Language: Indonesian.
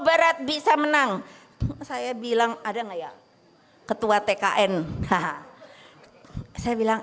barat bisa menang saya bilang ada nggak ya ketua tkn hahaha saya bilang